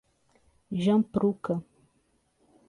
Jampruca